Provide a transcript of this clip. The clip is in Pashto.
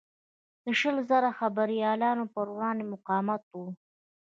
د شل زره خیبریانو پروړاندې مقاومت و.